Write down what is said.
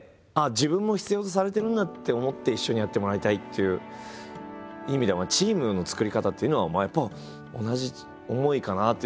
自分も必要とされてるんだって思って一緒にやってもらいたいっていう意味ではチームの作り方っていうのはやっぱ同じ思いかなというふうに。